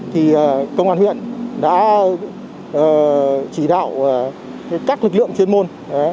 thì công an huyện đã chỉ đạo các lực lượng chuyên môn